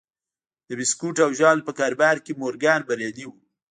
د بیسکويټو او ژاولو په کاروبار کې مورګان بریالی و